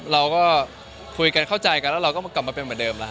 เราก็คุยกันเข้าใจกันแล้วเราต้องกลับมาเป็นเหมือนเดิมแล้ว